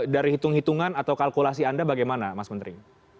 dari hitung hitungan atau kalkulasi anda bagaimana mas menteri